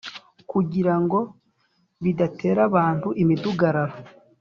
kugira ngo bidatera abantu imidugararo